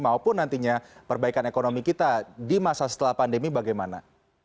maupun nantinya perbaikan ekonomi kita di masa setelah pandemi bagaimana